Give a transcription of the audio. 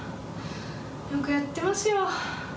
よくやっていますよ。